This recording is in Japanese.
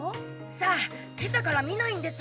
さあ今朝から見ないんです。